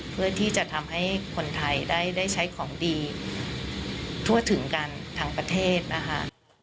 เพื่อที่จะทำให้คนไทยได้ใช้ของดีทั่วถึงกันทั้งประเทศนะคะ